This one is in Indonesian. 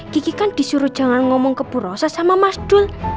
kiki kan disuruh jangan ngomong kepurosa sama mas dul